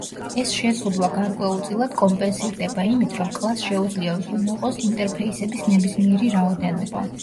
ეს შეზღუდვა გარკვეულწილად კომპენსირდება იმით, რომ კლასს შეუძლია უზრუნველყოს ინტერფეისების ნებისმიერი რაოდენობა.